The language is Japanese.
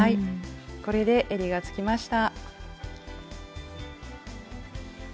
これでえりがつきました。